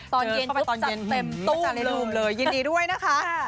เจอเข้าไปตอนเย็นหืมอุ้มเลยยินดีด้วยนะคะ